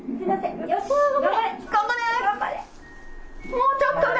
もうちょっとだ！